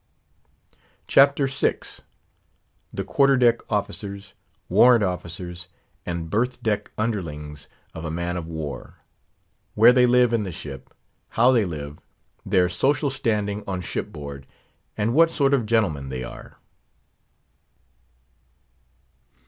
CHAPTER VI. THE QUARTER DECK OFFICERS, WARRANT OFFICERS, AND BERTH DECK UNDERLINGS OF A MAN OF WAR; WHERE THEY LIVE IN THE SHIP; HOW THEY LIVE; THEIR SOCIAL STANDING ON SHIP BOARD; AND WHAT SORT OF GENTLEMEN THEY ARE.